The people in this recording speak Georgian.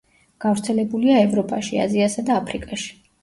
გავრცელებულია ევროპაში, აზიასა და აფრიკაში.